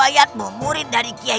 orang di dunia